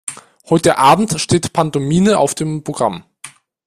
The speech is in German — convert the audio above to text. Heute Abend steht Pantomime auf dem Programm.